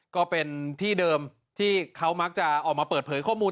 ก็เป็นที่เดิมที่เขามักจะออกมาเปิดเผยข้อมูล